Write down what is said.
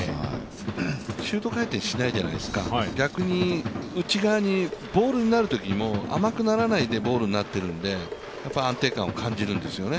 シュート回転しないじゃないですか、逆に、内側になるときも甘くならないでボールになっているんで安定感を感じるんですよね。